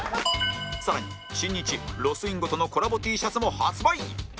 更に新日ロス・インゴとのコラボ Ｔ シャツも発売